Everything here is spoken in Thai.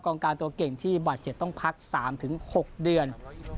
กรองการตัวเก่งที่บาทเจ็ดต้องพักสามถึงหกเดือน